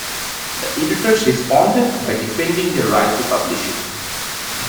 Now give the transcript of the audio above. The editors responded by defending their right to publish it.